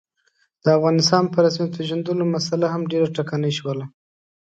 د افغانستان په رسمیت پېژندلو مسعله هم ډېره ټکنۍ شوله.